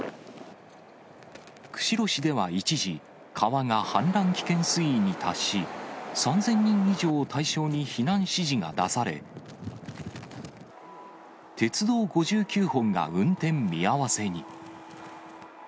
釧路市では一時、川が氾濫危険水位に達し、３０００人以上を対象に避難指示が出され、鉄道５９本が運転見合わせに。